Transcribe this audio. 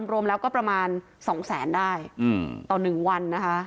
รวมแล้วก็ประมาณ๒แสนได้ต่อ๑วันนะคะ